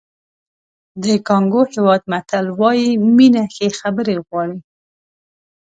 د کانګو هېواد متل وایي مینه ښې خبرې غواړي.